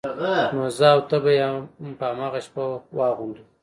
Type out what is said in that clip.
نو زه او ته به يې هم په هغه شپه واغوندو.